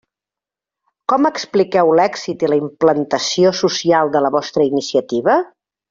Com expliqueu l'èxit i la implantació social de la vostra iniciativa?